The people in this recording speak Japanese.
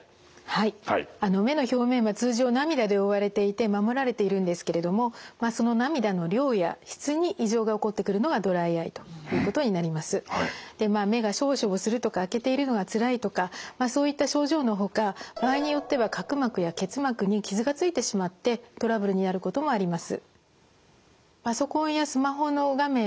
はい目の表面は通常涙で覆われていて守られているんですけれども目がしょぼしょぼするとか開けているのがつらいとかそういった症状のほか場合によっては角膜や結膜に傷がついてしまってトラブルになることもあります。